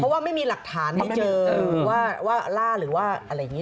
แล้วไม่มีหลักฐานที่เจอว่าล่าหรืออะไรอย่างนี้